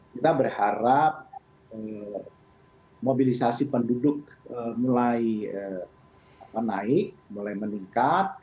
kita berharap mobilisasi penduduk mulai naik mulai meningkat